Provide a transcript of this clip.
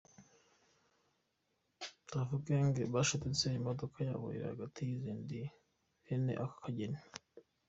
Tuff Gangs bashidutse imodoka yabo iri hagati y'izindi bene aka kageni.